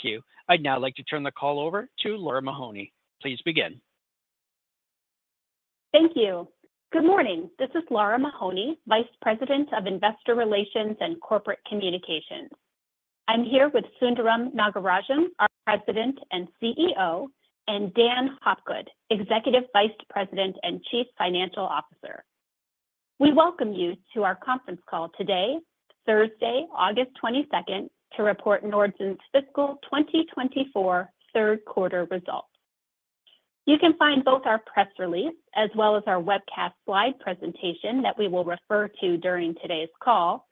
Thank you. I'd now like to turn the call over to Lara Mahoney. Please begin. Thank you. Good morning. This is Lara Mahoney, Vice President of Investor Relations and Corporate Communications. I'm here with Sundaram Nagarajan, our President and CEO, and Dan Hopgood, Executive Vice President and Chief Financial Officer. We welcome you to our conference call today, Thursday, August twenty-second, to report Nordson's fiscal twenty twenty-four third quarter results. You can find both our press release as well as our webcast slide presentation that we will refer to during today's call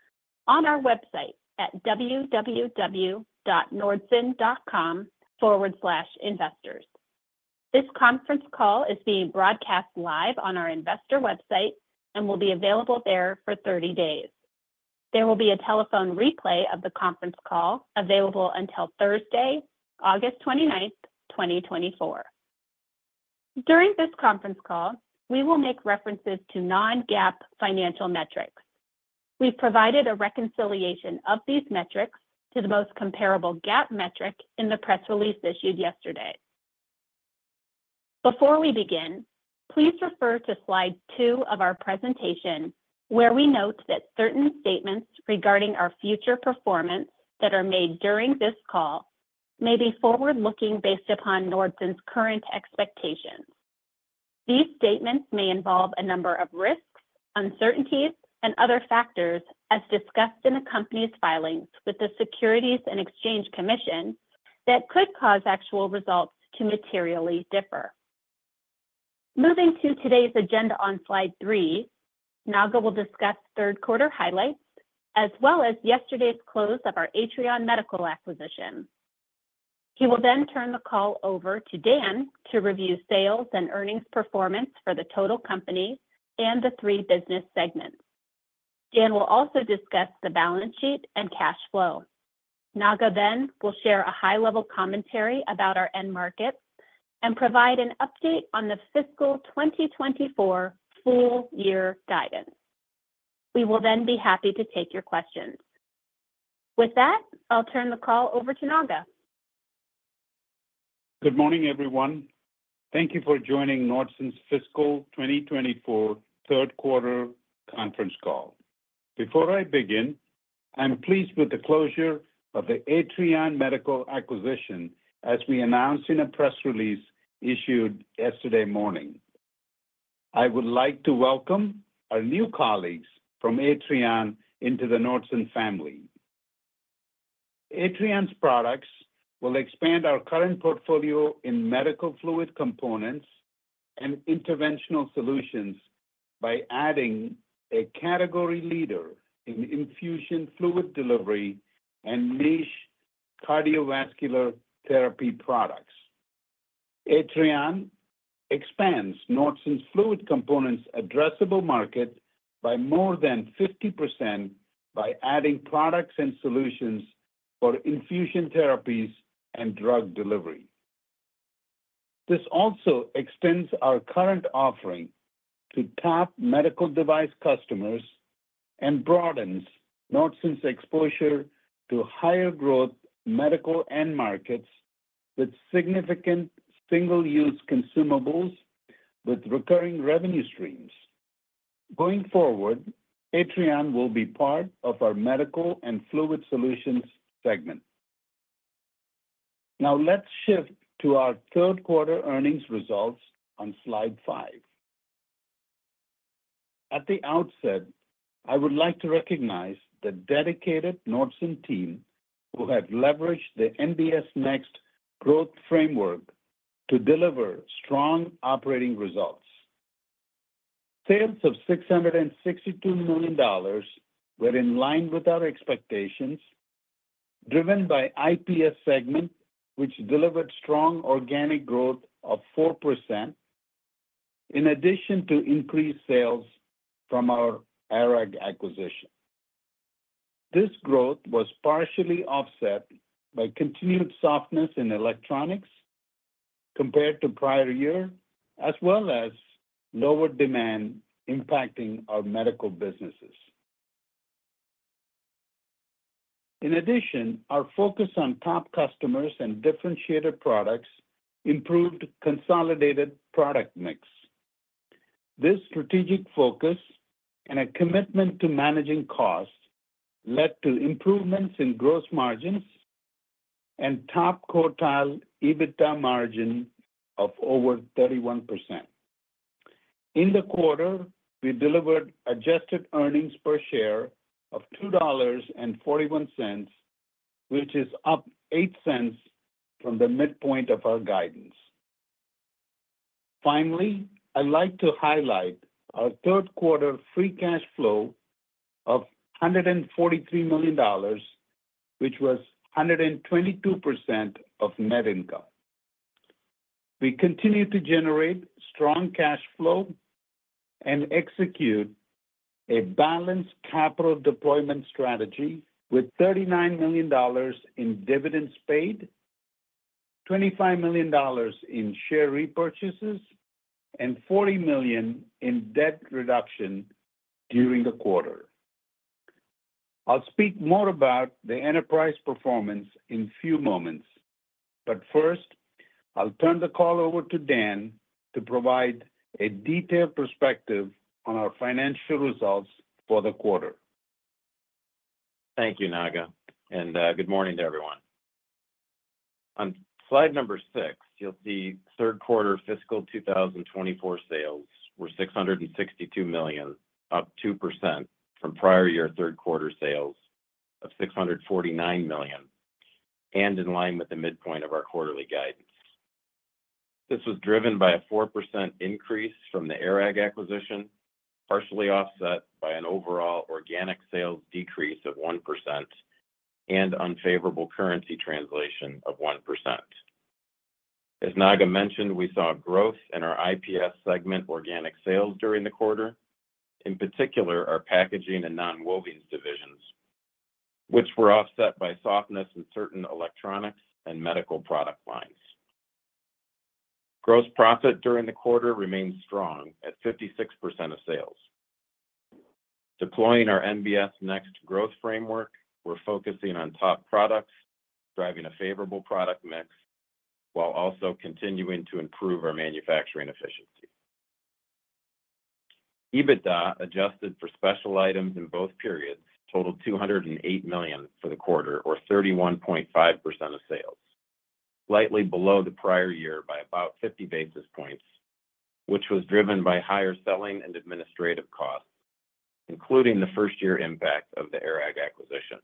on our website at www.nordson.com/investors. This conference call is being broadcast live on our investor website and will be available there for thirty days. There will be a telephone replay of the conference call available until Thursday, August twenty-ninth, twenty twenty-four. During this conference call, we will make references to non-GAAP financial metrics. We've provided a reconciliation of these metrics to the most comparable GAAP metric in the press release issued yesterday. Before we begin, please refer to slide two of our presentation, where we note that certain statements regarding our future performance that are made during this call may be forward-looking based upon Nordson's current expectations. These statements may involve a number of risks, uncertainties, and other factors, as discussed in the company's filings with the Securities and Exchange Commission, that could cause actual results to materially differ. Moving to today's agenda on slide three, Naga will discuss third quarter highlights, as well as yesterday's close of our Atrion Medical acquisition. He will then turn the call over to Dan to review sales and earnings performance for the total company and the three business segments. Dan will also discuss the balance sheet and cash flow. Naga then will share a high-level commentary about our end markets and provide an update on the fiscal twenty twenty-four full year guidance. We will then be happy to take your questions. With that, I'll turn the call over to Naga. Good morning, everyone. Thank you for joining Nordson's fiscal 2024 third quarter conference call. Before I begin, I'm pleased with the closure of the Atrion Medical acquisition, as we announced in a press release issued yesterday morning. I would like to welcome our new colleagues from Atrion into the Nordson family. Atrion's products will expand our current portfolio in medical fluid components and interventional solutions by adding a category leader in infusion fluid delivery and niche cardiovascular therapy products. Atrion expands Nordson's fluid components addressable market by more than 50% by adding products and solutions for infusion therapies and drug delivery. This also extends our current offering to top medical device customers and broadens Nordson's exposure to higher growth medical end markets with significant single-use consumables with recurring revenue streams. Going forward, Atrion will be part of our Medical and Fluid Solutions segment. Now, let's shift to our third quarter earnings results on slide five. At the outset, I would like to recognize the dedicated Nordson team, who have leveraged the NBS Next growth framework to deliver strong operating results. Sales of $662 million were in line with our expectations, driven by IPS segment, which delivered strong organic growth of 4%, in addition to increased sales from our ARAG acquisition. This growth was partially offset by continued softness in electronics compared to prior year, as well as lower demand impacting our medical businesses. In addition, our focus on top customers and differentiated products improved consolidated product mix. This strategic focus and a commitment to managing costs led to improvements in gross margins and top quartile EBITDA margin of over 31%. In the quarter, we delivered adjusted earnings per share of $2.41, which is up 8 cents from the midpoint of our guidance. Finally, I'd like to highlight our third quarter free cash flow of $143 million, which was 122% of net income. We continue to generate strong cash flow and execute a balanced capital deployment strategy, with $39 million in dividends paid, $25 million in share repurchases and $40 million in debt reduction during the quarter. I'll speak more about the enterprise performance in a few moments, but first, I'll turn the call over to Dan to provide a detailed perspective on our financial results for the quarter. Thank you, Naga, and good morning to everyone. On slide number six, you'll see third quarter fiscal 2024 sales were $662 million, up 2% from prior year third quarter sales of $649 million, and in line with the midpoint of our quarterly guidance. This was driven by a 4% increase from the ARAG acquisition, partially offset by an overall organic sales decrease of 1% and unfavorable currency translation of 1%. As Naga mentioned, we saw growth in our IPS segment organic sales during the quarter, in particular, our packaging and nonwovens divisions, which were offset by softness in certain electronics and medical product lines. Gross profit during the quarter remained strong at 56% of sales. Deploying our NBS Next growth framework, we're focusing on top products, driving a favorable product mix, while also continuing to improve our manufacturing efficiency. EBITDA, adjusted for special items in both periods, totaled $208 million for the quarter or 31.5% of sales, slightly below the prior year by about 50 basis points, which was driven by higher selling and administrative costs, including the first year impact of the ARAG acquisition.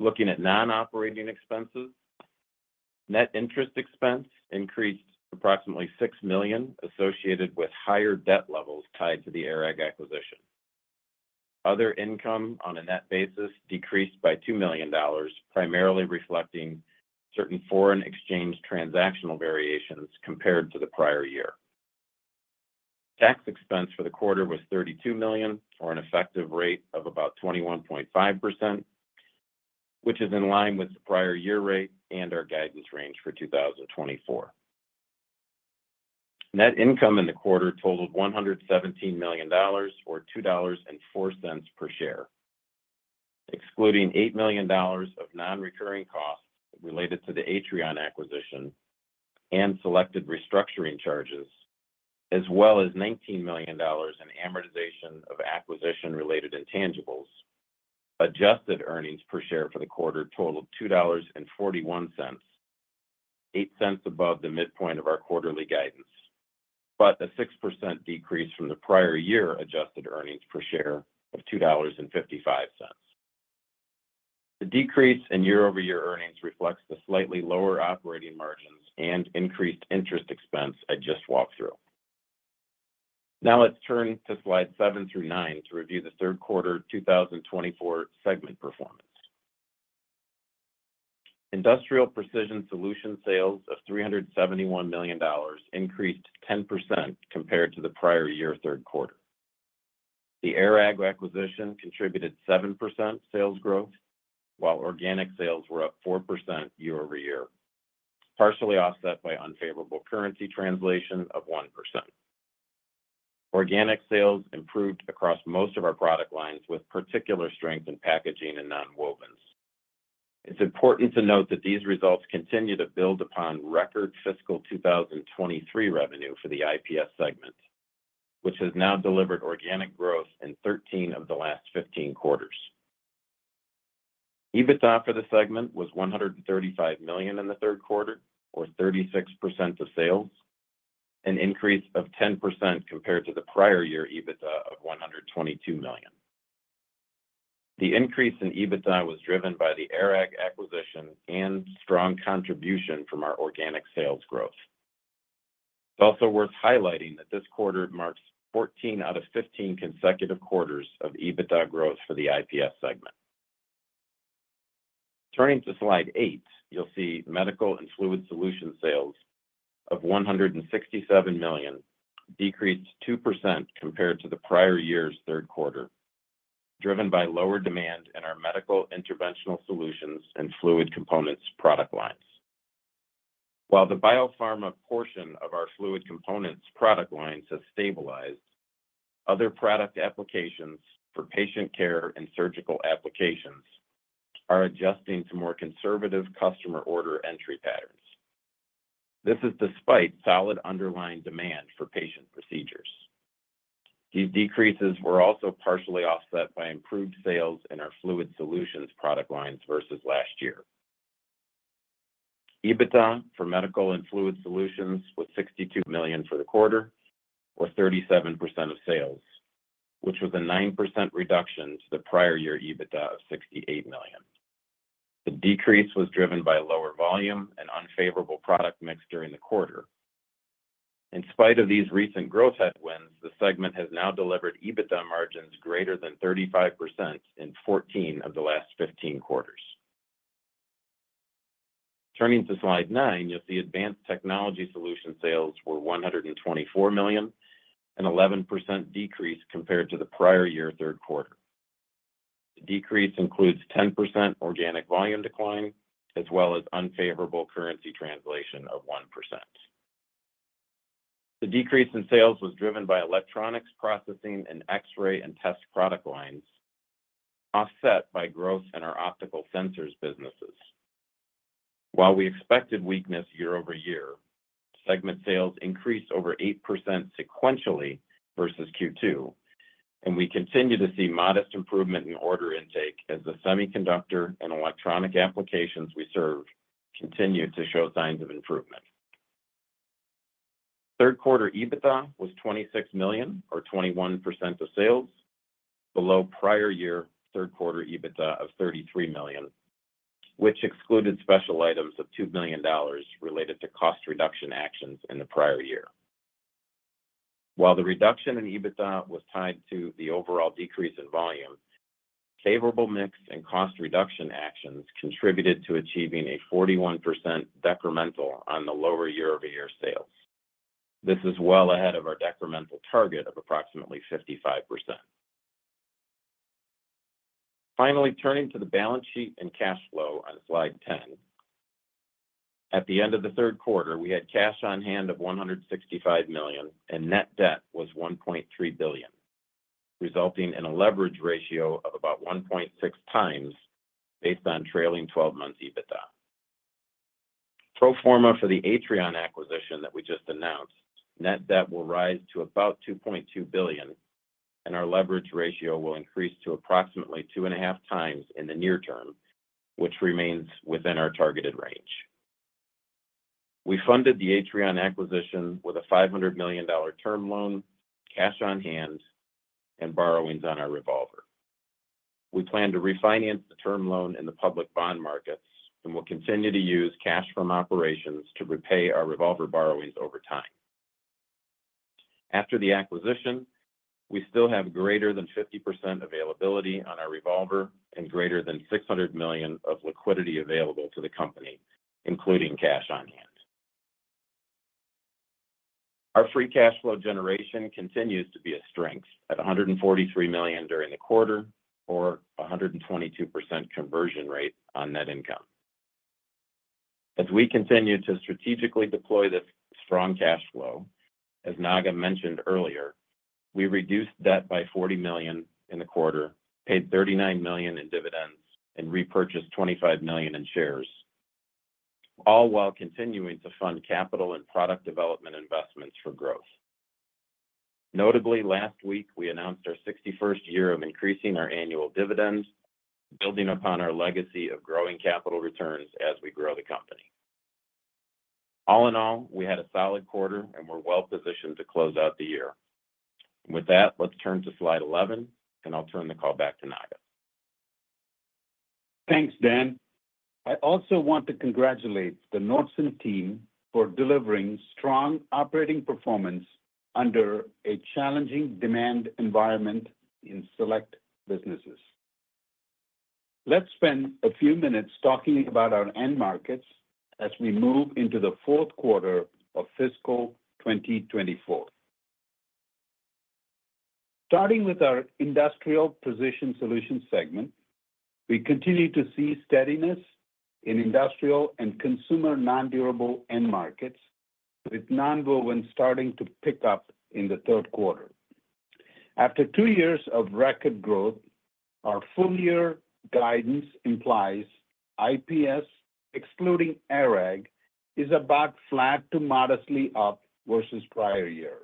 Looking at non-operating expenses, net interest expense increased approximately $6 million, associated with higher debt levels tied to the ARAG acquisition. Other income on a net basis decreased by $2 million, primarily reflecting certain foreign exchange transactional variations compared to the prior year. Tax expense for the quarter was $32 million, or an effective rate of about 21.5%, which is in line with the prior year rate and our guidance range for 2024. Net income in the quarter totaled $117 million or $2.04 per share. Excluding $8 million of non-recurring costs related to the Atrion acquisition and selected restructuring charges, as well as $19 million in amortization of acquisition-related intangibles, adjusted earnings per share for the quarter totaled $2.41, 8 cents above the midpoint of our quarterly guidance, but a 6% decrease from the prior year adjusted earnings per share of $2.55. The decrease in year-over-year earnings reflects the slightly lower operating margins and increased interest expense I just walked through. Now, let's turn to slides 7 through 9 to review the third quarter 2024 segment performance. Industrial Precision Solutions sales of $371 million increased 10% compared to the prior year third quarter. The ARAG acquisition contributed 7% sales growth, while organic sales were up 4% year over year, partially offset by unfavorable currency translation of 1%. Organic sales improved across most of our product lines, with particular strength in packaging and nonwovens. It's important to note that these results continue to build upon record fiscal 2023 revenue for the IPS segment, which has now delivered organic growth in 13 of the last 15 quarters. EBITDA for the segment was $135 million in the third quarter, or 36% of sales, an increase of 10% compared to the prior year EBITDA of $122 million. The increase in EBITDA was driven by the ARAG acquisition and strong contribution from our organic sales growth. It's also worth highlighting that this quarter marks 14 out of 15 consecutive quarters of EBITDA growth for the IPS segment. Turning to slide 8, you'll see Medical and Fluid Solutions sales of $167 million decreased 2% compared to the prior year's third quarter, driven by lower demand in our medical interventional solutions and fluid components product lines. While the biopharma portion of our fluid components product lines has stabilized, other product applications for patient care and surgical applications are adjusting to more conservative customer order entry patterns. This is despite solid underlying demand for patient procedures. These decreases were also partially offset by improved sales in our fluid solutions product lines versus last year. EBITDA for Medical and Fluid Solutions was $62 million for the quarter, or 37% of sales, which was a 9% reduction to the prior year EBITDA of $68 million. The decrease was driven by lower volume and unfavorable product mix during the quarter. In spite of these recent growth headwinds, the segment has now delivered EBITDA margins greater than 35% in fourteen of the last fifteen quarters. Turning to slide nine, you'll see Advanced Technology Solutions sales were $124 million, an 11% decrease compared to the prior year third quarter. The decrease includes 10% organic volume decline, as well as unfavorable currency translation of 1%. The decrease in sales was driven by electronics processing and X-ray and test product lines, offset by growth in our optical sensors businesses. While we expected weakness year over year, segment sales increased over 8% sequentially versus Q2, and we continue to see modest improvement in order intake as the semiconductor and electronic applications we serve continue to show signs of improvement. Third quarter EBITDA was $26 million, or 21% of sales, below prior year third quarter EBITDA of $33 million, which excluded special items of $2 million related to cost reduction actions in the prior year. While the reduction in EBITDA was tied to the overall decrease in volume, favorable mix and cost reduction actions contributed to achieving a 41% decremental on the lower year-over-year sales. This is well ahead of our decremental target of approximately 55%. Finally, turning to the balance sheet and cash flow on slide 10. At the end of the third quarter, we had cash on hand of $165 million, and net debt was $1.3 billion, resulting in a leverage ratio of about 1.6 times based on trailing 12 months EBITDA. Pro forma for the Atrion acquisition that we just announced, net debt will rise to about $2.2 billion, and our leverage ratio will increase to approximately 2.5 times in the near term, which remains within our targeted range. We funded the Atrion acquisition with a $500 million term loan, cash on hand, and borrowings on our revolver. We plan to refinance the term loan in the public bond markets, and we'll continue to use cash from operations to repay our revolver borrowings over time. After the acquisition, we still have greater than 50% availability on our revolver and greater than $600 million of liquidity available to the company, including cash on hand. Our free cash flow generation continues to be a strength at $143 million during the quarter, or a 122% conversion rate on net income. As we continue to strategically deploy this strong cash flow, as Naga mentioned earlier, we reduced debt by $40 million in the quarter, paid $39 million in dividends, and repurchased $25 million in shares, all while continuing to fund capital and product development investments for growth. Notably, last week, we announced our 61st year of increasing our annual dividends, building upon our legacy of growing capital returns as we grow the company. All in all, we had a solid quarter and we're well positioned to close out the year. With that, let's turn to slide 11, and I'll turn the call back to Naga. Thanks, Dan. I also want to congratulate the Nordson team for delivering strong operating performance under a challenging demand environment in select businesses. Let's spend a few minutes talking about our end markets as we move into the fourth quarter of fiscal twenty twenty-four. Starting with our Industrial Precision Solutions segment, we continue to see steadiness in industrial and consumer non-durable end markets, with nonwovens starting to pick up in the third quarter. After two years of record growth, our full year guidance implies IPS, excluding ARAG, is about flat to modestly up versus prior year.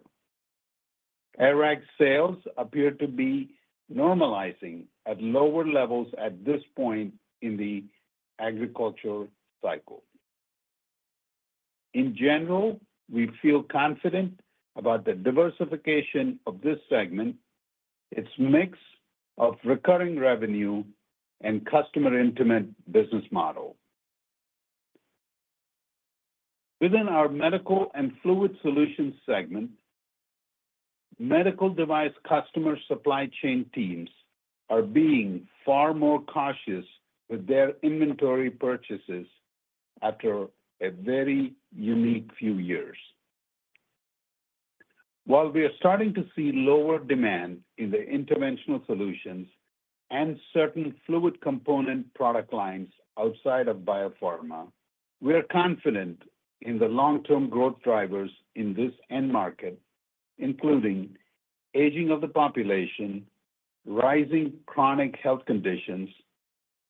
ARAG sales appear to be normalizing at lower levels at this point in the agricultural cycle. In general, we feel confident about the diversification of this segment, its mix of recurring revenue, and customer intimate business model. Within our Medical and Fluid Solutions segment, medical device customer supply chain teams are being far more cautious with their inventory purchases after a very unique few years. While we are starting to see lower demand in the interventional solutions and certain fluid component product lines outside of biopharma, we are confident in the long-term growth drivers in this end market, including aging of the population, rising chronic health conditions,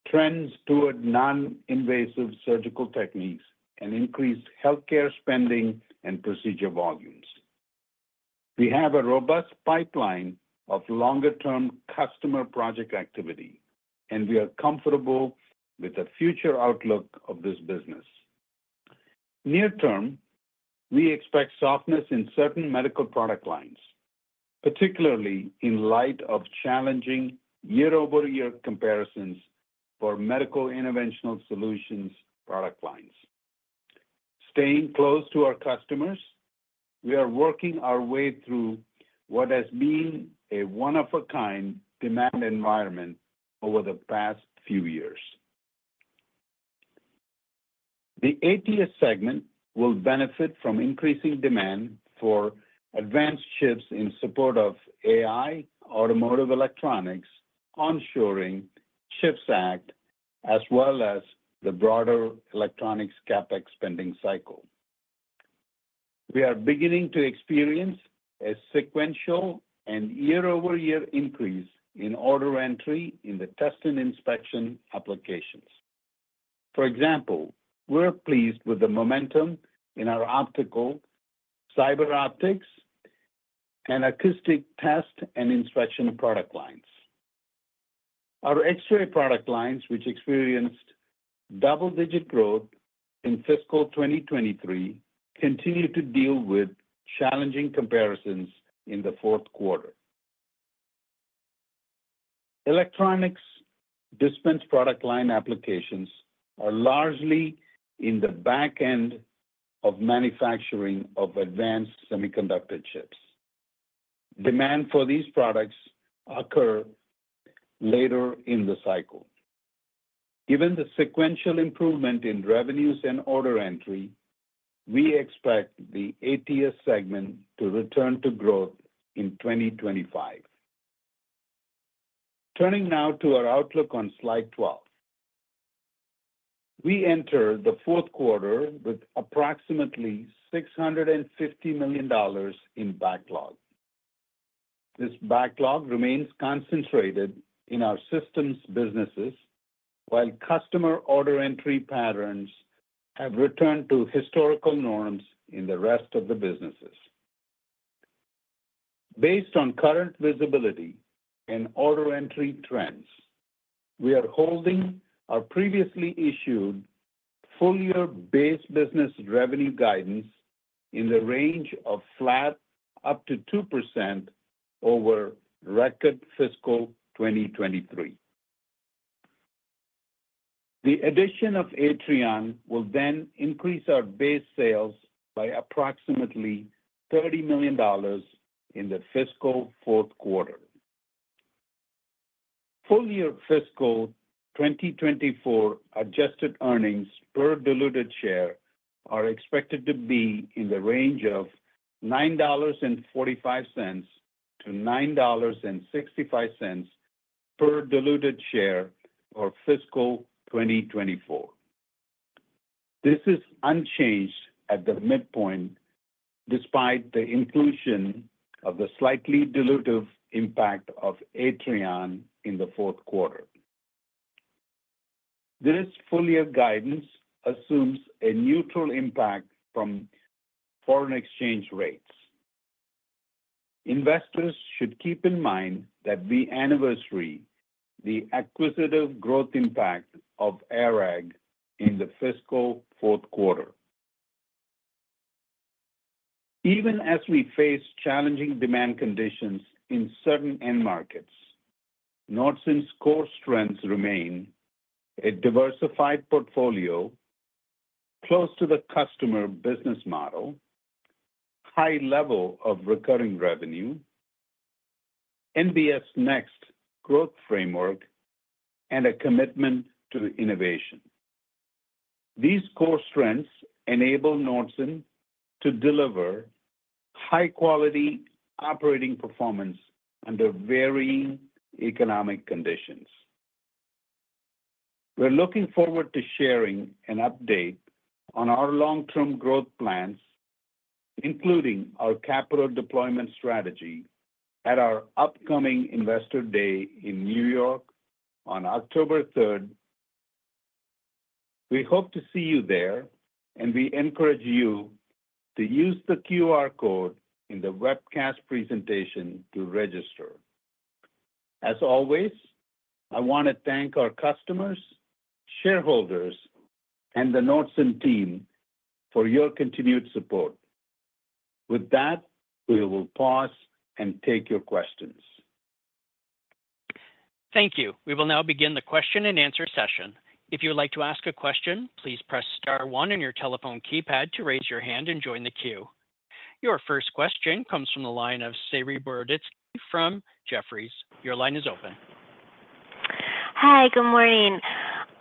trends toward non-invasive surgical techniques, and increased healthcare spending and procedure volumes. We have a robust pipeline of longer-term customer project activity, and we are comfortable with the future outlook of this business. Near term, we expect softness in certain medical product lines, particularly in light of challenging year-over-year comparisons for medical interventional solutions product lines. Staying close to our customers, we are working our way through what has been a one-of-a-kind demand environment over the past few years. The ATS segment will benefit from increasing demand for advanced chips in support of AI, automotive electronics, onshoring, CHIPS Act, as well as the broader electronics CapEx spending cycle. We are beginning to experience a sequential and year-over-year increase in order entry in the test and inspection applications. For example, we're pleased with the momentum in our optical, CyberOptics, and acoustic test and inspection product lines. Our X-ray product lines, which experienced double-digit growth in fiscal 2023, continue to deal with challenging comparisons in the fourth quarter. Electronics dispense product line applications are largely in the back end of manufacturing of advanced semiconductor chips. Demand for these products occur later in the cycle. Given the sequential improvement in revenues and order entry, we expect the ATS segment to return to growth in 2025. Turning now to our outlook on slide 12. We entered the fourth quarter with approximately $650 million in backlog. This backlog remains concentrated in our systems businesses, while customer order entry patterns have returned to historical norms in the rest of the businesses. Based on current visibility and order entry trends, we are holding our previously issued full-year base business revenue guidance in the range of flat up to 2% over record fiscal 2023. The addition of Atrion will then increase our base sales by approximately $30 million in the fiscal fourth quarter. Full-year fiscal 2024 adjusted earnings per diluted share are expected to be in the range of $9.45-$9.65 per diluted share for fiscal 2024. This is unchanged at the midpoint, despite the inclusion of the slightly dilutive impact of Atrion in the fourth quarter. This full-year guidance assumes a neutral impact from foreign exchange rates. Investors should keep in mind that we anniversary the acquisitive growth impact of ARAG in the fiscal fourth quarter. Even as we face challenging demand conditions in certain end markets, Nordson's core strengths remain a diversified portfolio, close to the customer business model, high level of recurring revenue, NBS Next growth framework, and a commitment to innovation. These core strengths enable Nordson to deliver high-quality operating performance under varying economic conditions. We're looking forward to sharing an update on our long-term growth plans, including our capital deployment strategy, at our upcoming Investor Day in New York on October third. We hope to see you there, and we encourage you to use the QR code in the webcast presentation to register. As always, I want to thank our customers, shareholders, and the Nordson team for your continued support. With that, we will pause and take your questions. Thank you. We will now begin the question and answer session. If you would like to ask a question, please press star one on your telephone keypad to raise your hand and join the queue. Your first question comes from the line of Saree Boroditsky from Jefferies. Your line is open. Hi, good morning.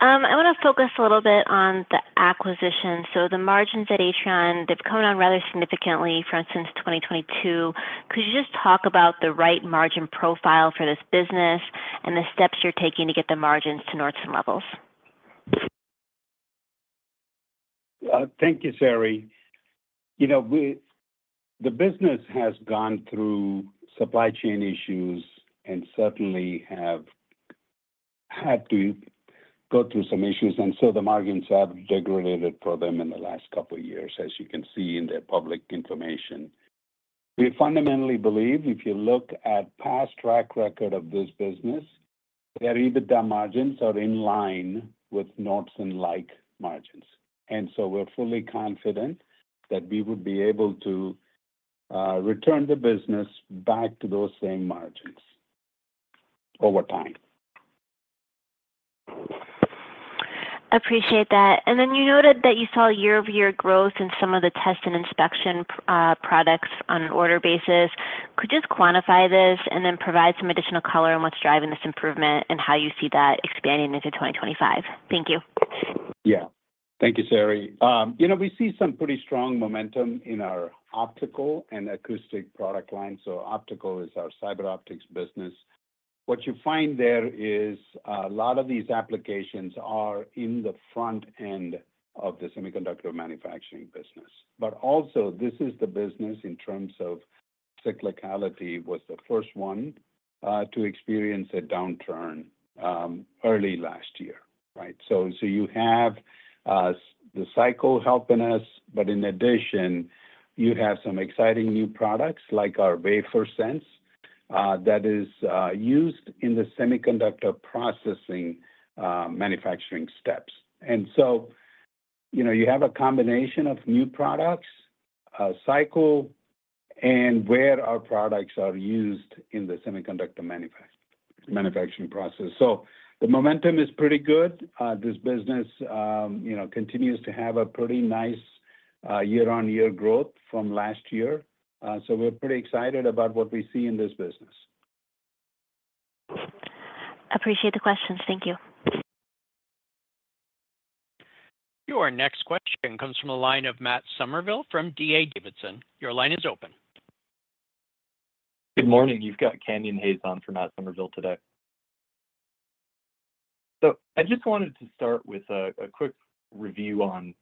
I want to focus a little bit on the acquisition. So the margins at Atrion, they've come down rather significantly, for instance, 2022. Could you just talk about the right margin profile for this business and the steps you're taking to get the margins to Nordson levels? Thank you, Saree. You know, we, the business has gone through supply chain issues and certainly have had to go through some issues, and so the margins have degraded for them in the last couple of years, as you can see in their public information. We fundamentally believe, if you look at past track record of this business, their EBITDA margins are in line with Nordson-like margins. And so we're fully confident that we will be able to return the business back to those same margins over time. Appreciate that. And then you noted that you saw year-over-year growth in some of the test and inspection products on an order basis. Could you just quantify this and then provide some additional color on what's driving this improvement and how you see that expanding into twenty twenty-five? Thank you. Yeah. Thank you, Saree. You know, we see some pretty strong momentum in our optical and acoustic product lines. So optical is our CyberOptics business. What you find there is a lot of these applications are in the front end of the semiconductor manufacturing business, but also this is the business in terms of cyclicality, was the first one to experience a downturn early last year, right? So you have the cycle helping us, but in addition, you have some exciting new products, like our WaferSense, that is used in the semiconductor processing manufacturing steps. And so, you know, you have a combination of new products, a cycle, and where our products are used in the semiconductor manufacturing process. So the momentum is pretty good. This business, you know, continues to have a pretty nice year-on-year growth from last year, so we're pretty excited about what we see in this business. Appreciate the questions. Thank you. Your next question comes from the line of Matt Summerville from DA Davidson. Your line is open. Good morning. You've got Canyon Hayes on for Matt Somerville today. So I just wanted to start with a quick review on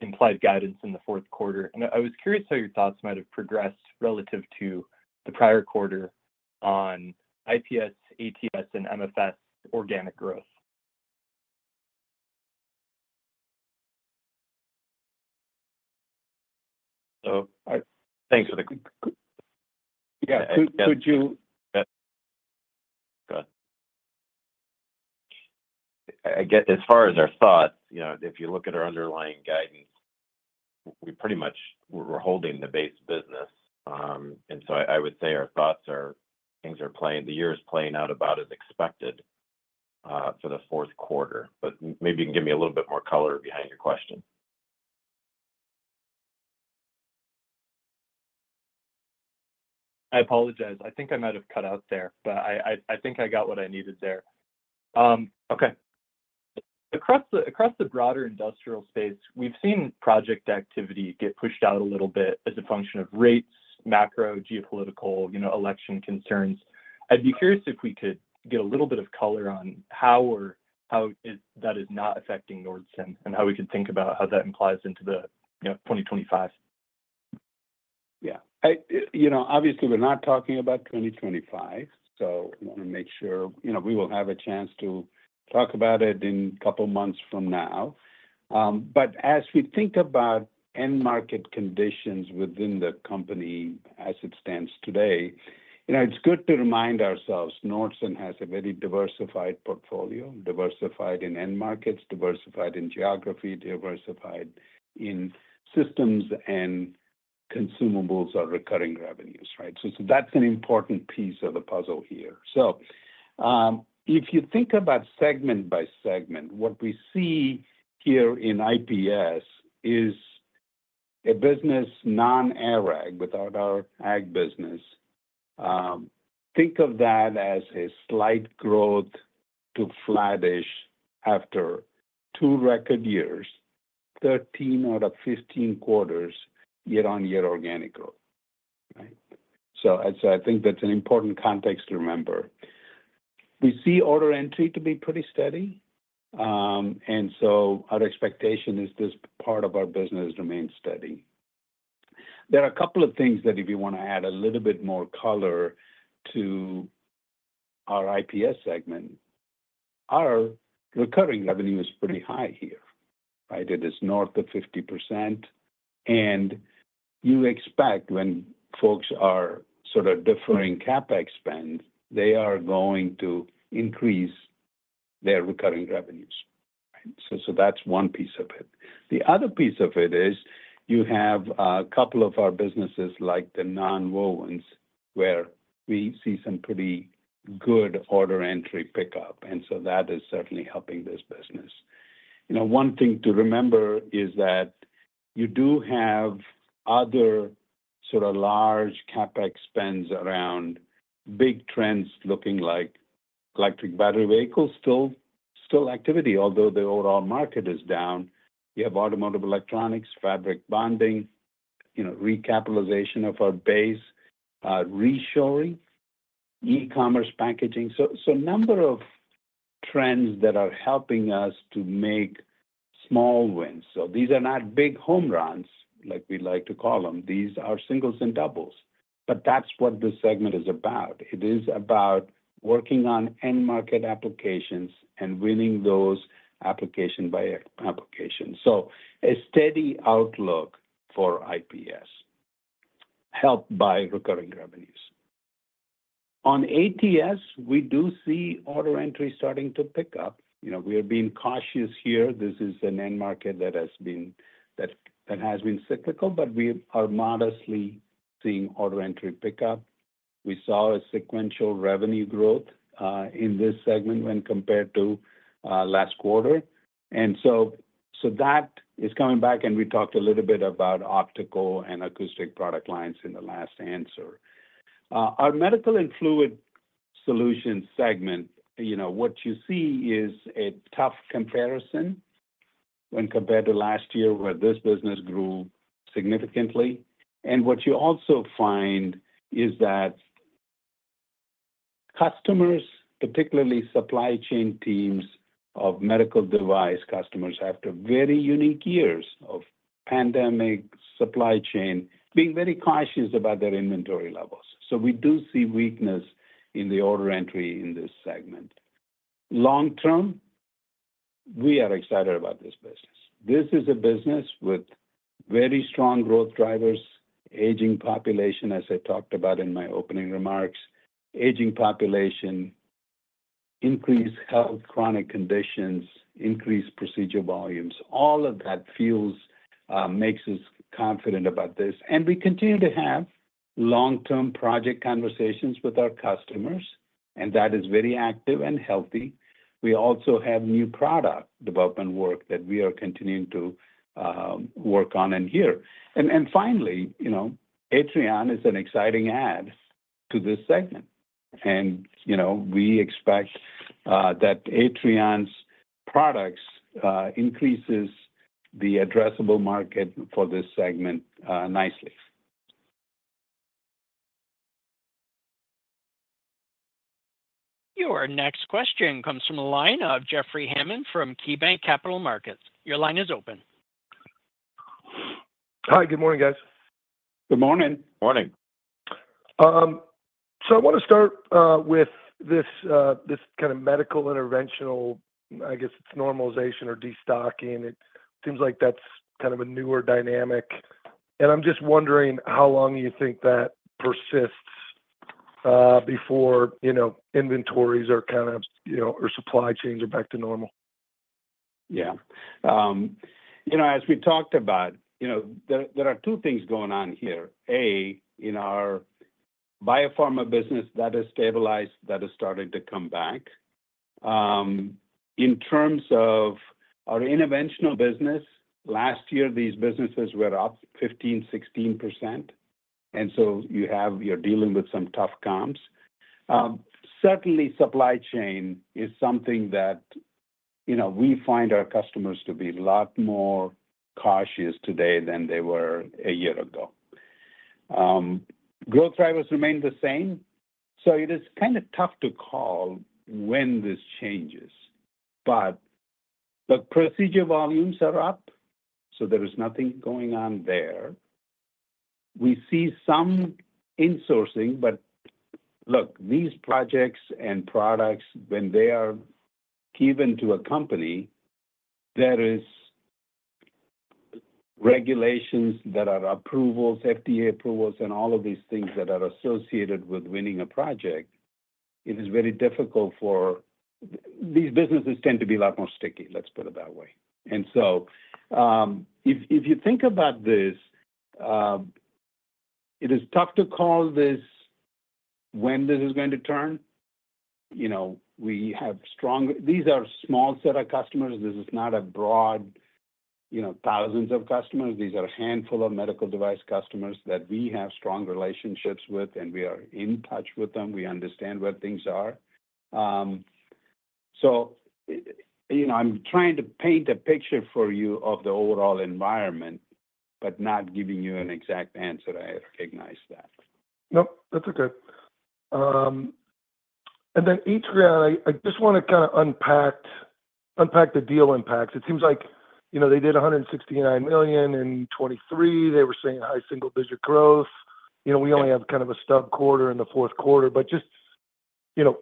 implied guidance in the fourth quarter, and I was curious how your thoughts might have progressed relative to the prior quarter on IPS, ATS, and MFS organic growth. So I- Thanks for the... Yeah. Could you- Go ahead. I get as far as our thoughts, you know, if you look at our underlying guidance, we pretty much holding the base business, and so I would say our thoughts are the year is playing out about as expected for the fourth quarter, but maybe you can give me a little bit more color behind your question. I apologize. I think I might have cut out there, but I think I got what I needed there. Okay. Across the broader industrial space, we've seen project activity get pushed out a little bit as a function of rates, macro, geopolitical, you know, election concerns. I'd be curious if we could get a little bit of color on how that is not affecting Nordson, and how we could think about how that implies into the, you know, twenty twenty-five. Yeah. I, you know, obviously, we're not talking about twenty twenty-five, so I wanna make sure, you know, we will have a chance to talk about it in a couple of months from now, but as we think about end market conditions within the company as it stands today, you know, it's good to remind ourselves, Nordson has a very diversified portfolio, diversified in end markets, diversified in geography, diversified in systems, and consumables are recurring revenues, right? So, so that's an important piece of the puzzle here. So, if you think about segment by segment, what we see here in IPS is a business, non-ag, without our ag business. Think of that as a slight growth to flattish after two record years, 13 out of 15 quarters, year-on-year organic growth, right? So I, I think that's an important context to remember. We see order entry to be pretty steady. And so our expectation is this part of our business remains steady. There are a couple of things that if you wanna add a little bit more color to our IPS segment, our recurring revenue is pretty high here, right? It is north of 50%, and you expect when folks are sort of deferring CapEx spend, they are going to increase their recurring revenues, right? So that's one piece of it. The other piece of it is, you have a couple of our businesses, like the nonwovens, where we see some pretty good order entry pickup, and so that is certainly helping this business. You know, one thing to remember is that you do have other sort of large CapEx spends around big trends, looking like electric battery vehicles, still activity, although the overall market is down. You have automotive electronics, fabric bonding, you know, recapitalization of our base, reshoring, e-commerce packaging. So number of trends that are helping us to make small wins. These are not big home runs, like we like to call them. These are singles and doubles, but that's what this segment is about. It is about working on end-market applications and winning those application by application. So a steady outlook for IPS, helped by recurring revenues. On ATS, we do see order entry starting to pick up. You know, we are being cautious here. This is an end market that has been cyclical, but we are modestly seeing order entry pick up. We saw a sequential revenue growth in this segment when compared to last quarter. And so that is coming back, and we talked a little bit about optical and acoustic product lines in the last answer. Our Medical and Fluid Solutions segment, you know, what you see is a tough comparison when compared to last year, where this business grew significantly. What you also find is that customers, particularly supply chain teams of medical device customers, after very unique years of pandemic supply chain, being very cautious about their inventory levels. We do see weakness in the order entry in this segment. Long term, we are excited about this business. This is a business with very strong growth drivers, aging population, as I talked about in my opening remarks. Aging population, increased health, chronic conditions, increased procedure volumes, all of that fuels, makes us confident about this. And we continue to have long-term project conversations with our customers, and that is very active and healthy. We also have new product development work that we are continuing to work on in here. And finally, you know, Atrion is an exciting add to this segment. And, you know, we expect that Atrion's products increases the addressable market for this segment nicely. Your next question comes from the line of Jeffrey Hammond from KeyBanc Capital Markets. Your line is open. Hi, good morning, guys. Good morning. Morning. So I want to start with this kind of medical interventional, I guess it's normalization or destocking. It seems like that's kind of a newer dynamic, and I'm just wondering how long you think that persists before, you know, inventories are kind of, you know, or supply chains are back to normal? Yeah. You know, as we talked about, you know, there, there are two things going on here. A, in our biopharma business, that has stabilized, that is starting to come back. In terms of our interventional business, last year, these businesses were up 15-16%, and so you have, you're dealing with some tough comps. Certainly, supply chain is something that, you know, we find our customers to be a lot more cautious today than they were a year ago. Growth drivers remain the same, so it is kind of tough to call when this changes. But the procedure volumes are up, so there is nothing going on there. We see some insourcing, but look, these projects and products, when they are given to a company, there is regulations, there are approvals, FDA approvals, and all of these things that are associated with winning a project. It is very difficult. These businesses tend to be a lot more sticky, let's put it that way, and so, if you think about this, it is tough to call this, when this is going to turn. You know, we have strong. These are a small set of customers. This is not a broad, you know, thousands of customers. These are a handful of medical device customers that we have strong relationships with, and we are in touch with them. We understand where things are, so, you know, I'm trying to paint a picture for you of the overall environment, but not giving you an exact answer. I recognize that. Nope, that's okay. And then Atrion, I just want to kind of unpack the deal impacts. It seems like, you know, they did $169 million in 2023. They were seeing high single-digit growth. You know, we only have kind of a stub quarter in the fourth quarter, but just, you know,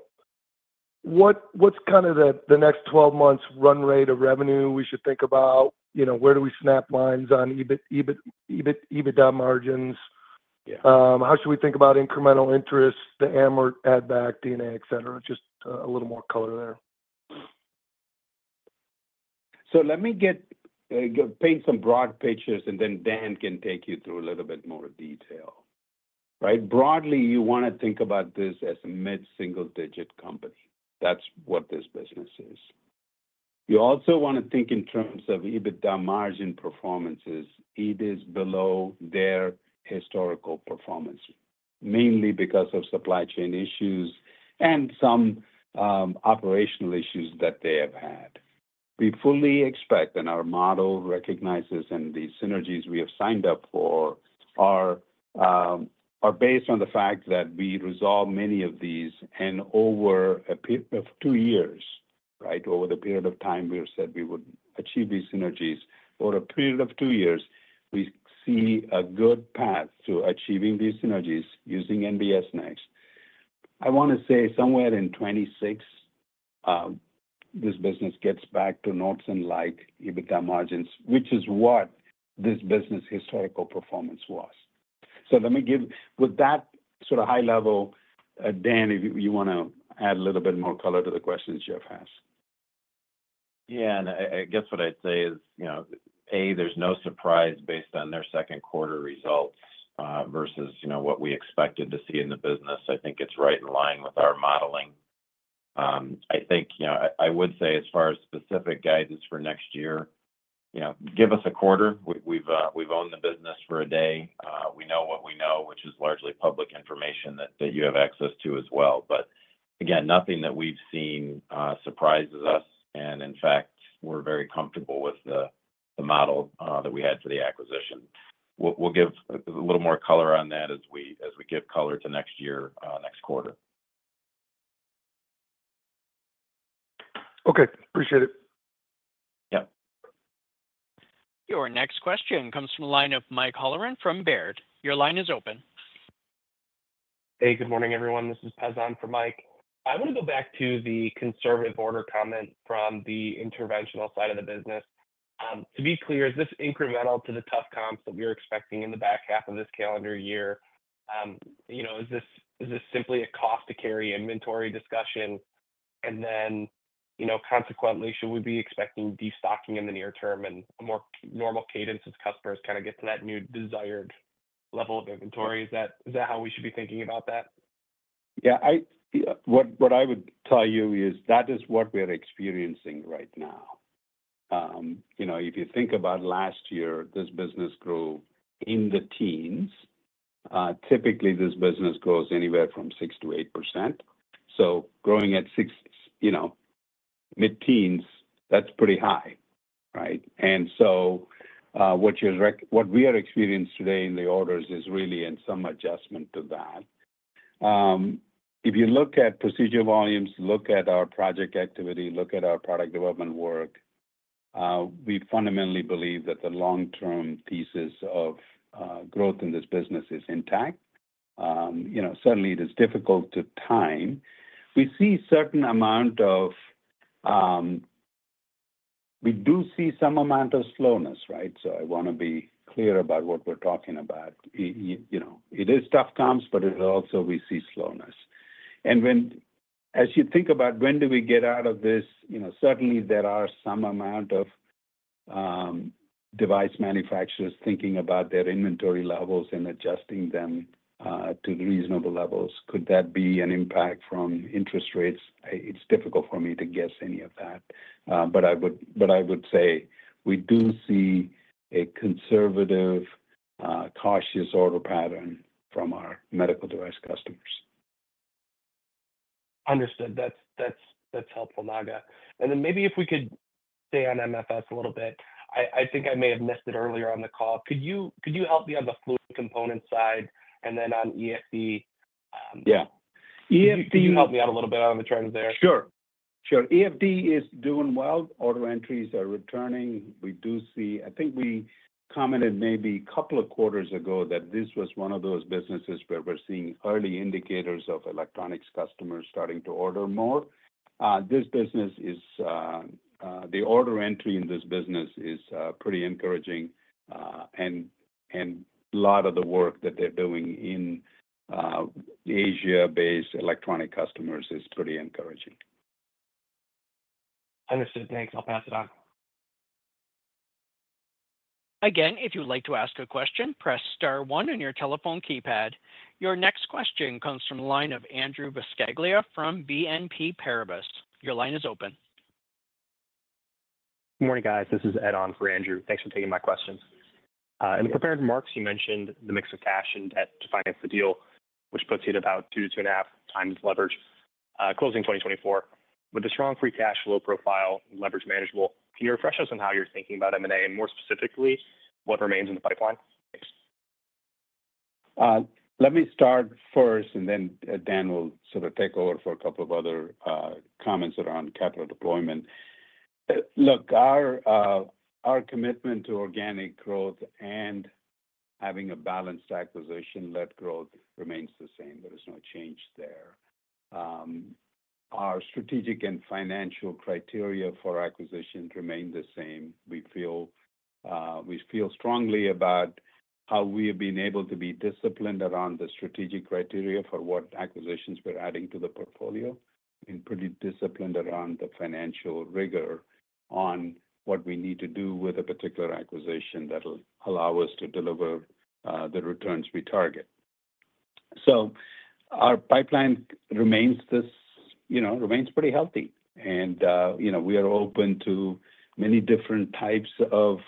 what's kind of the next twelve months run rate of revenue we should think about? You know, where do we snap lines on EBIT, EBITDA margins? Yeah. How should we think about incremental interest, the amortization add-back, EBITDA, et cetera? Just a little more color there. Let me paint some broad pictures, and then Dan can take you through a little bit more detail, right? Broadly, you want to think about this as a mid-single-digit company. That's what this business is. You also want to think in terms of EBITDA margin performances. It is below their historical performance, mainly because of supply chain issues and some operational issues that they have had. We fully expect, and our model recognizes, and the synergies we have signed up for are based on the fact that we resolve many of these and over a period of two years, right? Over the period of time, we have said we would achieve these synergies. Over a period of two years, we see a good path to achieving these synergies using NBS Next. I want to say somewhere in 2026, this business gets back to low teens and like EBITDA margins, which is what this business' historical performance was. So let me give... With that sort of high level, Dan, if you want to add a little bit more color to the questions Jeff asked.... Yeah, and I guess what I'd say is, you know, A, there's no surprise based on their second quarter results versus, you know, what we expected to see in the business. I think it's right in line with our modeling. I think, you know, I would say as far as specific guidance for next year, you know, give us a quarter. We've owned the business for a day. We know what we know, which is largely public information that you have access to as well. But again, nothing that we've seen surprises us, and in fact, we're very comfortable with the model that we had for the acquisition. We'll give a little more color on that as we give color to next year, next quarter. Okay, appreciate it. Yep. Your next question comes from the line of Mike Halloran from Baird. Your line is open. Hey, good morning, everyone. This is Pezan for Mike. I want to go back to the conservative order comment from the interventional side of the business. To be clear, is this incremental to the tough comps that we were expecting in the back half of this calendar year? You know, is this simply a cost-to-carry inventory discussion? And then, you know, consequently, should we be expecting destocking in the near term and a more normal cadence as customers kind of get to that new desired level of inventory? Is that how we should be thinking about that? Yeah, what I would tell you is that is what we are experiencing right now. You know, if you think about last year, this business grew in the teens. Typically, this business grows anywhere from 6%-8%, so growing at, you know, mid-teens, that's pretty high, right? And so, what we are experiencing today in the orders is really in some adjustment to that. If you look at procedure volumes, look at our project activity, look at our product development work, we fundamentally believe that the long-term pieces of growth in this business is intact. You know, certainly it is difficult to time. We see certain amount of. We do see some amount of slowness, right? So I want to be clear about what we're talking about. You know, it is tough comps, but it is also we see slowness. And as you think about when do we get out of this, you know, certainly there are some amount of device manufacturers thinking about their inventory levels and adjusting them to reasonable levels. Could that be an impact from interest rates? It's difficult for me to guess any of that, but I would say we do see a conservative, cautious order pattern from our medical device customers. Understood. That's, that's, that's helpful, Naga. And then maybe if we could stay on MFS a little bit. I, I think I may have missed it earlier on the call. Could you, could you help me on the fluid component side and then on EFD. Yeah. EFD- Can you help me out a little bit on the trends there? Sure, sure. EFD is doing well. Order entries are returning. We do see. I think we commented maybe a couple of quarters ago that this was one of those businesses where we're seeing early indicators of electronics customers starting to order more. This business is. The order entry in this business is pretty encouraging, and a lot of the work that they're doing in Asia-based electronic customers is pretty encouraging. Understood. Thanks. I'll pass it on. Again, if you would like to ask a question, press star one on your telephone keypad. Your next question comes from the line of Andrew Buscaglia from BNP Paribas. Your line is open. Good morning, guys. This is Ed on for Andrew. Thanks for taking my questions. In the prepared remarks, you mentioned the mix of cash and debt to finance the deal, which puts it about two to two and a half times leverage, closing 2024. With the strong free cash flow profile and leverage manageable, can you refresh us on how you're thinking about M&A, and more specifically, what remains in the pipeline? Thanks. Let me start first, and then Dan will sort of take over for a couple of other comments around capital deployment. Look, our commitment to organic growth and having a balanced acquisition-led growth remains the same. There is no change there. Our strategic and financial criteria for acquisitions remain the same. We feel strongly about how we have been able to be disciplined around the strategic criteria for what acquisitions we're adding to the portfolio and pretty disciplined around the financial rigor on what we need to do with a particular acquisition that will allow us to deliver the returns we target. So our pipeline remains this, you know, remains pretty healthy, and, you know, we are open to many different types of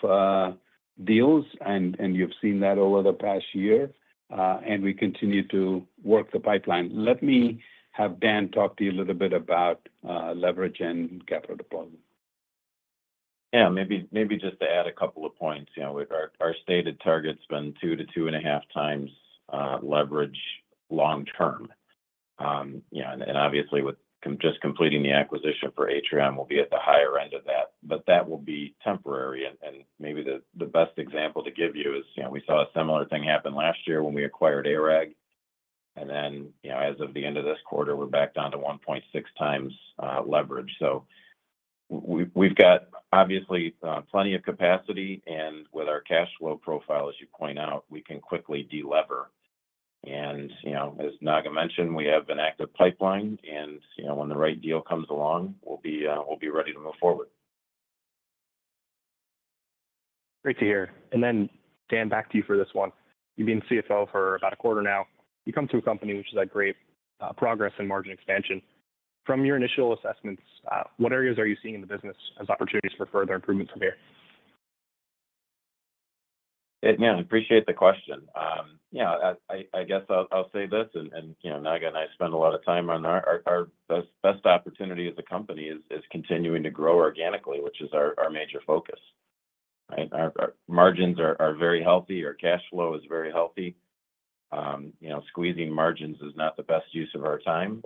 deals, and you've seen that over the past year, and we continue to work the pipeline. Let me have Dan talk to you a little bit about leverage and capital deployment. Yeah, maybe, maybe just to add a couple of points. You know, our, our stated target's been two to two and a half times leverage long term. You know, and obviously, with just completing the acquisition for Atrion, we'll be at the higher end of that, but that will be temporary. And, and maybe the, the best example to give you is, you know, we saw a similar thing happen last year when we acquired ARAG, and then, you know, as of the end of this quarter, we're back down to 1.6 times leverage. So we've, we've got obviously plenty of capacity, and with our cash flow profile, as you point out, we can quickly delever.... and, you know, as Naga mentioned, we have an active pipeline, and, you know, when the right deal comes along, we'll be ready to move forward. Great to hear. And then, Dan, back to you for this one. You've been CFO for about a quarter now. You come to a company which has had great, progress and margin expansion. From your initial assessments, what areas are you seeing in the business as opportunities for further improvements from here? Yeah, I appreciate the question. Yeah, I guess I'll say this, and you know, Naga and I spend a lot of time on our best opportunity as a company is continuing to grow organically, which is our major focus, right? Our margins are very healthy, our cash flow is very healthy. You know, squeezing margins is not the best use of our time.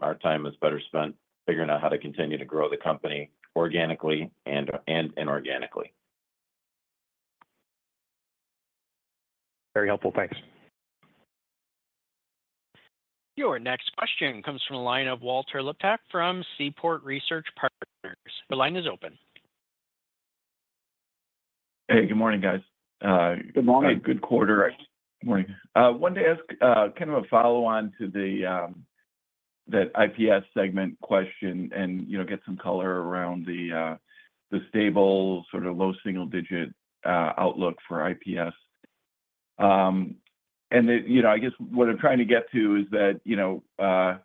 Our time is better spent figuring out how to continue to grow the company organically and inorganically. Very helpful. Thanks. Your next question comes from the line of Walter Liptak from Seaport Research Partners. Your line is open. Hey, good morning, guys. Good morning. Good quarter. Right. Good morning. Wanted to ask, kind of a follow-on to the IPS segment question and, you know, get some color around the stable, sort of low single-digit outlook for IPS. And, you know, I guess what I'm trying to get to is that, you know,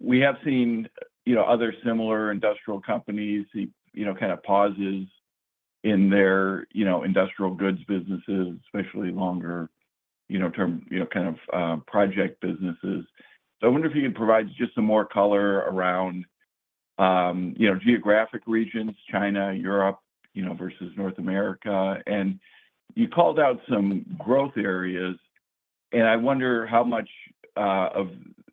we have seen, you know, other similar industrial companies see, you know, kind of pauses in their, you know, industrial goods businesses, especially longer term, you know, kind of project businesses. So I wonder if you can provide just some more color around, you know, geographic regions, China, Europe, you know, versus North America. You called out some growth areas, and I wonder how much of,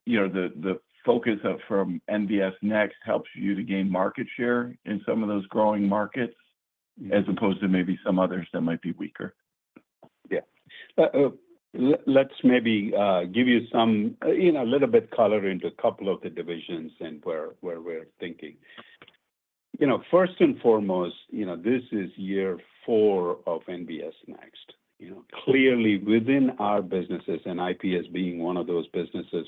you know, the focus from NBS Next helps you to gain market share in some of those growing markets, as opposed to maybe some others that might be weaker? Yeah. Let's maybe give you some, you know, a little bit color into a couple of the divisions and where we're thinking. You know, first and foremost, you know, this is year four of NBS Next. You know, clearly within our businesses, and IPS being one of those businesses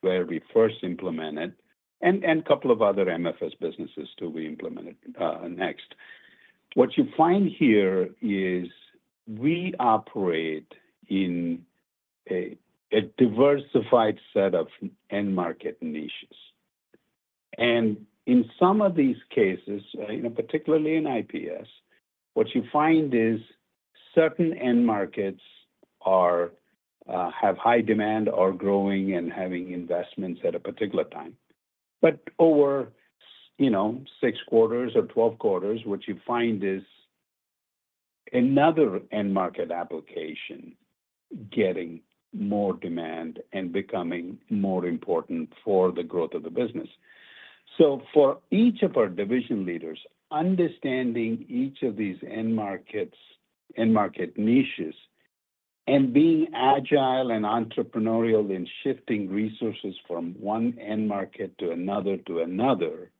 where we first implemented, and couple of other MFS businesses, too, we implemented Next. What you find here is we operate in a diversified set of end market niches. In some of these cases, you know, particularly in IPS, what you find is certain end markets are have high demand or growing and having investments at a particular time. But over, you know, six quarters or twelve quarters, what you find is another end market application getting more demand and becoming more important for the growth of the business. So for each of our division leaders, understanding each of these end markets, end market niches, and being agile and entrepreneurial in shifting resources from one end market to another, to another,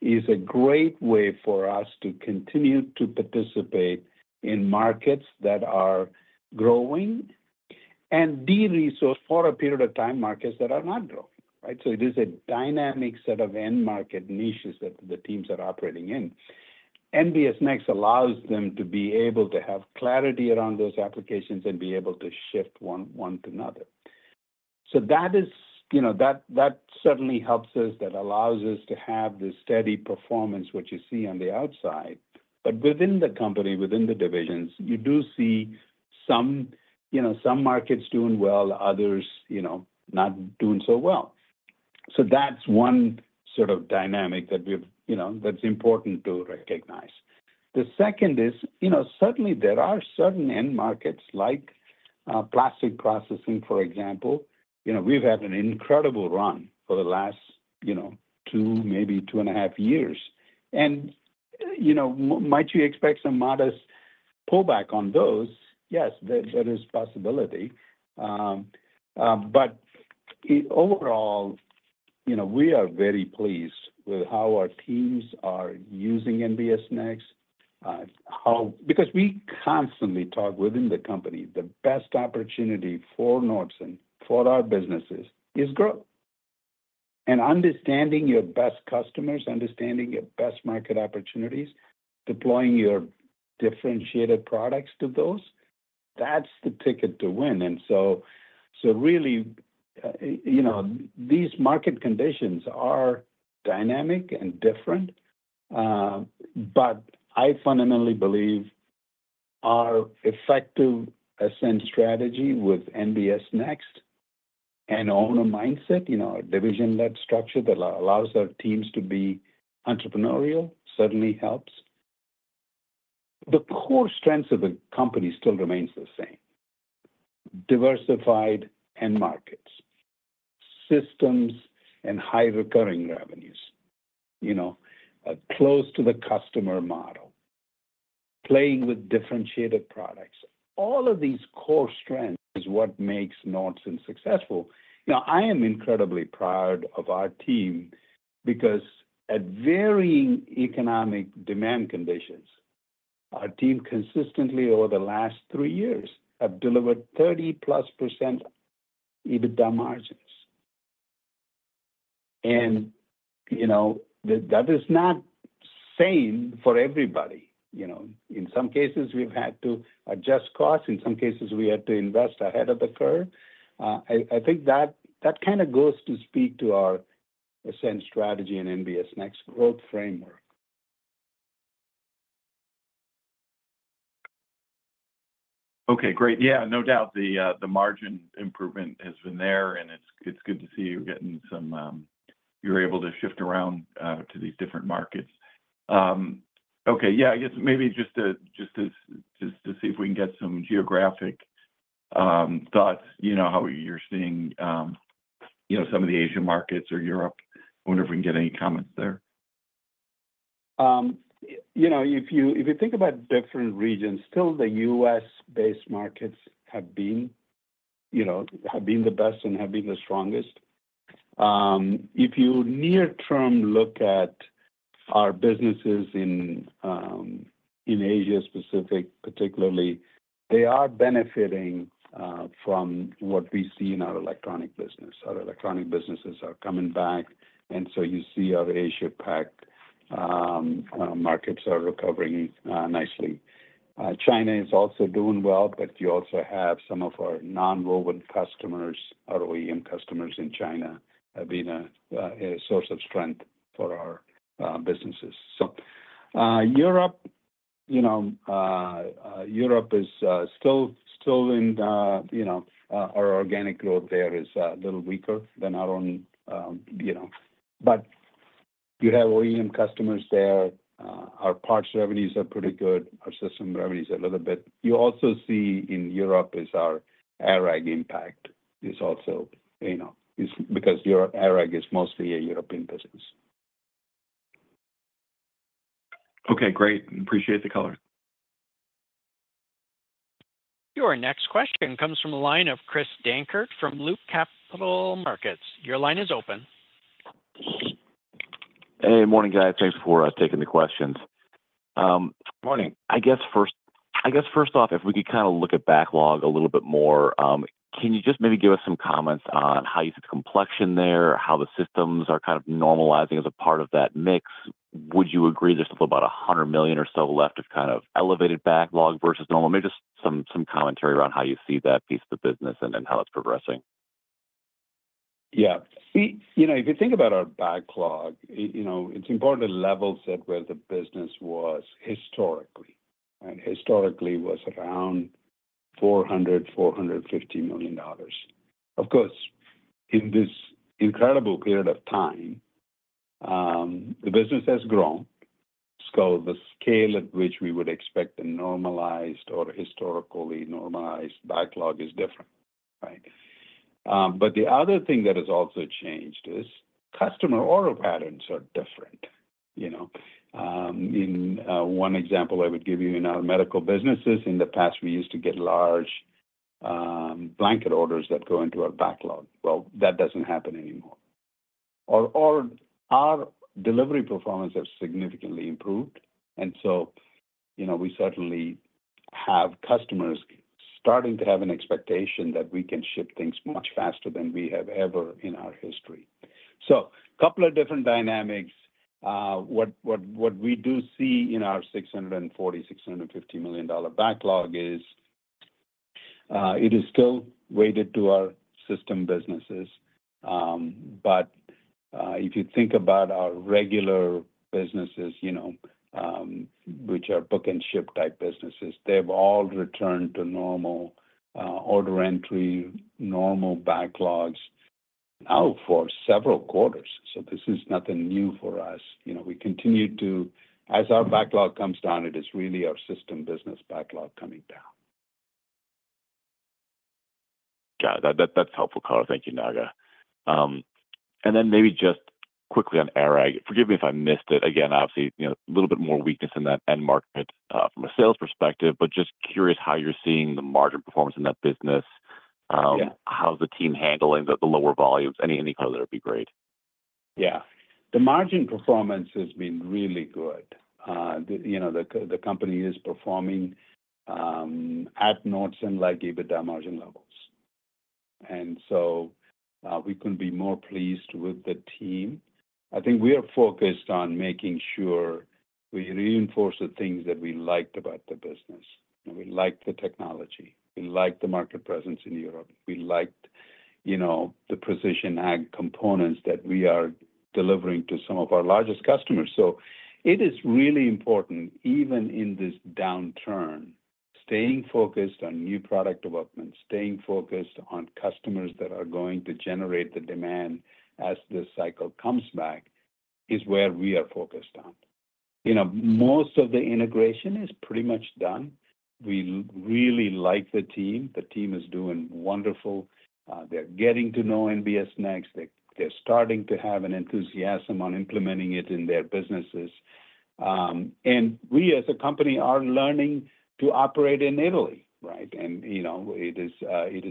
is a great way for us to continue to participate in markets that are growing and de-resource for a period of time, markets that are not growing, right? So it is a dynamic set of end market niches that the teams are operating in. NBS Next allows them to be able to have clarity around those applications and be able to shift one, one to another. So that is, you know, that certainly helps us, that allows us to have the steady performance which you see on the outside. But within the company, within the divisions, you do see some, you know, some markets doing well, others, you know, not doing so well. So that's one sort of dynamic that we've, you know, that's important to recognize. The second is, you know, certainly there are certain end markets, like plastic processing, for example. You know, we've had an incredible run for the last, you know, two, maybe two and a half years. And, you know, might you expect some modest pullback on those? Yes, there is possibility. But overall, you know, we are very pleased with how our teams are using NBS Next. Because we constantly talk within the company, the best opportunity for Nordson, for our businesses, is growth. And understanding your best customers, understanding your best market opportunities, deploying your differentiated products to those, that's the ticket to win. And so really, you know, these market conditions are dynamic and different, but I fundamentally believe our effective investment strategy with NBS Next and owner mindset, you know, our division-led structure that allows our teams to be entrepreneurial, certainly helps. The core strengths of the company still remains the same: diversified end markets, systems, and high recurring revenues, you know, a close to the customer model, playing with differentiated products. All of these core strengths is what makes Nordson successful. You know, I am incredibly proud of our team because at varying economic demand conditions-... Our team consistently over the last three years have delivered 30+% EBITDA margins, and you know, that is not same for everybody, you know. In some cases, we've had to adjust costs. In some cases, we had to invest ahead of the curve. I think that kind of goes to speak to our ascent strategy and NBS Next growth framework. Okay, great. Yeah, no doubt the margin improvement has been there, and it's good to see you getting some, you're able to shift around to these different markets. Okay, yeah, I guess maybe just to see if we can get some geographic thoughts, you know, how you're seeing, you know, some of the Asian markets or Europe. I wonder if we can get any comments there. You know, if you think about different regions, still the U.S.-based markets have been, you know, the strongest. If you near-term look at our businesses in Asia Pacific particularly, they are benefiting from what we see in our electronics business. Our electronics businesses are coming back, and so you see our Asia Pacific markets are recovering nicely. China is also doing well, but you also have some of our nonwovens customers, our OEM customers in China, have been a source of strength for our businesses. So, Europe, you know, is still, you know, our organic growth there is a little weaker than our own, you know. But you have OEM customers there. Our parts revenues are pretty good, our system revenues a little bit. You also see in Europe our ARAG impact is also, you know, because Europe ARAG is mostly a European business. Okay, great. Appreciate the color. Your next question comes from the line of Chris Dankert from Loop Capital Markets. Your line is open. Hey, morning, guys. Thanks for taking the questions. Um, morning. I guess first off, if we could kind of look at backlog a little bit more, can you just maybe give us some comments on how you see complexion there, how the systems are kind of normalizing as a part of that mix? Would you agree there's still about $100 million or so left of kind of elevated backlog versus normal? Maybe just some commentary around how you see that piece of the business and then how it's progressing. Yeah. See, you know, if you think about our backlog, you know, it's important to level set where the business was historically, and historically was around $400-$450 million. Of course, in this incredible period of time, the business has grown, so the scale at which we would expect a normalized or historically normalized backlog is different, right? But the other thing that has also changed is customer order patterns are different, you know. In one example I would give you in our medical businesses, in the past, we used to get large blanket orders that go into our backlog. Well, that doesn't happen anymore, or our delivery performance has significantly improved, and so, you know, we certainly have customers starting to have an expectation that we can ship things much faster than we have ever in our history. So a couple of different dynamics. What we do see in our $640-$650 million backlog is, it is still weighted to our system businesses. But, if you think about our regular businesses, you know, which are book and ship type businesses, they've all returned to normal order entry, normal backlogs now for several quarters. So this is nothing new for us. You know, we continue to, as our backlog comes down, it is really our system business backlog coming down. Got it. That, that's helpful color. Thank you, Naga, and then maybe just quickly on ARAG. Forgive me if I missed it. Again, obviously, you know, a little bit more weakness in that end market, from a sales perspective, but just curious how you're seeing the margin performance in that business. Yeah. How's the team handling the lower volumes? Any color, it'd be great. Yeah. The margin performance has been really good. You know, the company is performing at nosebleed-like EBITDA margin levels. And so, we couldn't be more pleased with the team. I think we are focused on making sure we reinforce the things that we liked about the business, and we liked the technology. We liked the market presence in Europe. We liked, you know, the precision ag components that we are delivering to some of our largest customers. So it is really important, even in this downturn, staying focused on new product development, staying focused on customers that are going to generate the demand as the cycle comes back, is where we are focused on. You know, most of the integration is pretty much done. We really like the team. The team is doing wonderful. They're getting to know NBS Next. They, they're starting to have an enthusiasm on implementing it in their businesses, and we, as a company, are learning to operate in Italy, right? And, you know, it is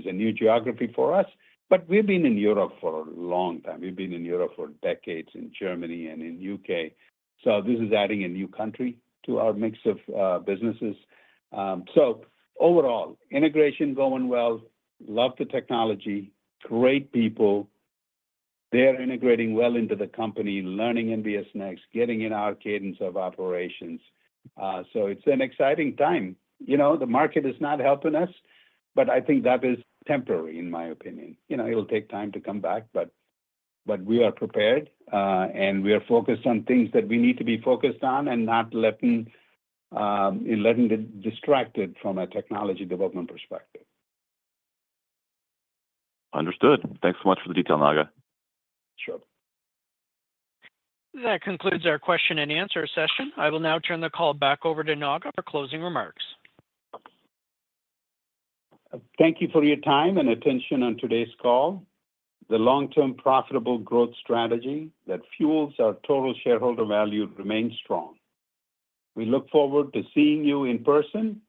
a new geography for us, but we've been in Europe for a long time. We've been in Europe for decades, in Germany and in U.K. So this is adding a new country to our mix of businesses, so overall, integration going well, love the technology, great people. They are integrating well into the company, learning NBS Next, getting in our cadence of operations, so it's an exciting time. You know, the market is not helping us, but I think that is temporary in my opinion. You know, it will take time to come back, but we are prepared, and we are focused on things that we need to be focused on and not letting get distracted from a technology development perspective. Understood. Thanks so much for the detail, Naga. Sure. That concludes our question and answer session. I will now turn the call back over to Naga for closing remarks. Thank you for your time and attention on today's call. The long-term profitable growth strategy that fuels our total shareholder value remains strong. We look forward to seeing you in person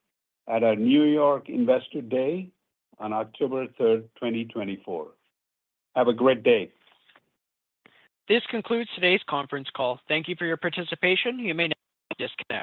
at our New York Investor Day on October third, twenty twenty-four. Have a great day. This concludes today's conference call. Thank you for your participation. You may now disconnect.